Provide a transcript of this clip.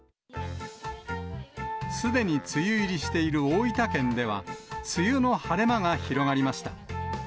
すでに梅雨入りしている大分県では、梅雨の晴れ間が広がりました。